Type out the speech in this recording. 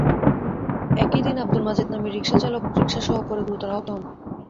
একই দিন আবদুল মাজেদ নামের রিকশাচালক রিকশাসহ পড়ে গুরুতর আহত হন।